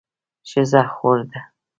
ښځه خور ده